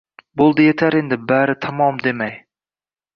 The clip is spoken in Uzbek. Bo’ldi yetar endi bari tamom demay